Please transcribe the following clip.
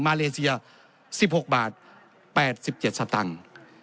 เลเซีย๑๖บาท๘๗สตังค์